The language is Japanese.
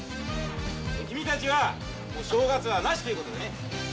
君たちは、正月はなしということでね。